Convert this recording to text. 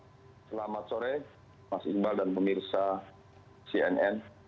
selamat sore mas iqbal dan pemirsa cnn